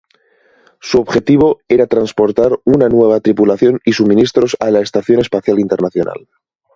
Su objetivo era transportar una nueva tripulación y suministros a la Estación Espacial Internacional.